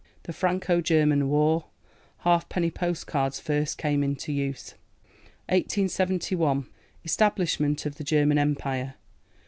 The Franco German War. Halfpenny postcards first came into use. 1871. Establishment of the German Empire.